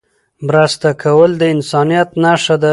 مرسته کول د انسانيت نښه ده.